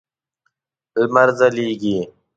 لمر ځلیږی